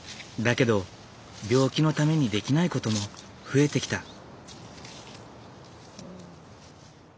だけど病気のためにできないことも増えてきた。